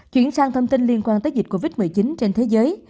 chuyển sang thông tin liên quan tới dịch covid một mươi chín trên thế giới